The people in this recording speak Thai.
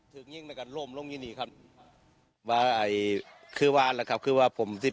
ถึงยิ่งแล้วกันร่มลงยินนี้ครับว่าคือว่าครับคือว่าผมที่